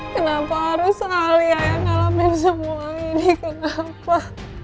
kenapa harus alia yang ngalamin semua ini kenapa